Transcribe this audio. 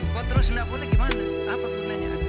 kok terus nggak boleh gimana apa gunanya